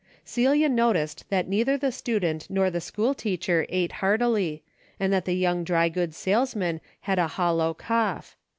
Celia noticed that neither the student nor the school teacher ate heartily, and that the young dry goods salesman had a hollow cough.